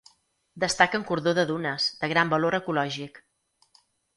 Destaca un cordó de dunes, de gran valor ecològic.